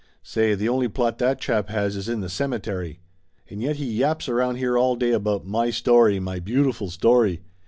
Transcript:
Say, the only plot that chap has is in the cemetery! And yet he yaps around here all day about 'my story, my beautiful story.'